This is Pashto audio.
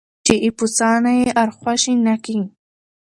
چې اېپوسه نه یې ارخوشي نه کي.